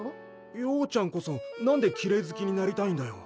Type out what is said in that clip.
ようちゃんこそ何できれい好きになりたいんだよ？